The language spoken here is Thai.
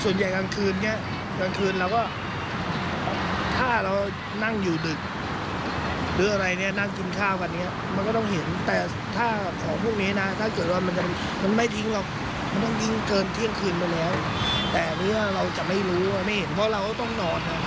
นั่นจึงมีความเป็นไปได้ว่าชิ้นส่วนทั้งหมดจะถูกนำมาทิ้งในช่วงเที่ยงคืน